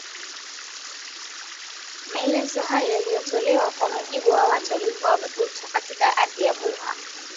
Maelezo haya yalitolewa kwa mujibu wa watu walikuwa wamekutwa katika ardhi ya Buha